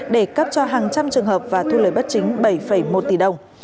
để cấp cho hàng trăm trường hợp và thu lời bất chính bảy một tỷ đồng